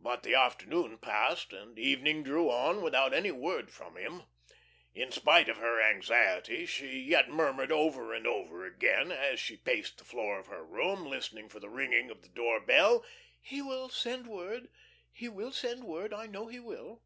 But the afternoon passed and evening drew on without any word from him. In spite of her anxiety, she yet murmured over and over again as she paced the floor of her room, listening for the ringing of the door bell: "He will send word, he will send word. I know he will."